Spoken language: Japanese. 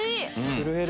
震える。